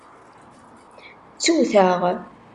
Ttewteɣ.